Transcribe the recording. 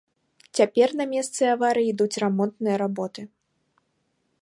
Цяпер на месцы аварыі ідуць рамонтныя работы.